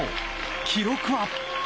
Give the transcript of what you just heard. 記録は？